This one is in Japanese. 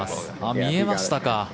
見えましたか。